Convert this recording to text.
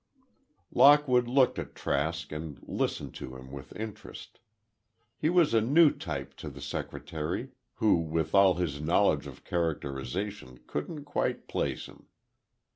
Lockwood looked at Trask and listened to him with interest. He was a new type to the secretary, who with all his knowledge of characterization couldn't quite place him.